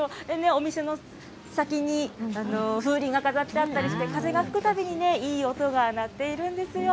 お店の先に風鈴が飾ってあったりして、風が吹くたびにね、いい音が鳴っているんですよ。